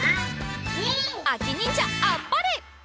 あきにんじゃあっぱれ！